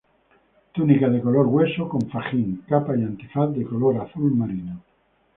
Túnica de color hueso, con fajín, capa y antifaz de color azul marino.